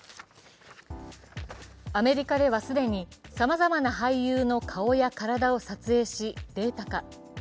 アメリカでは既にさまざまな俳優の顔や体を撮影しデータ化。